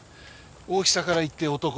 大きさからいって男。